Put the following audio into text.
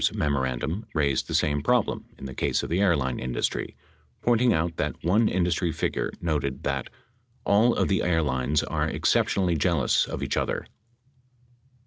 560 A July 26, 1972, Byers memorandum raised the same problem in the case of the airline industry, pointing out that one industry figure noted that "all of the airlines are exceptionally jealous of each other."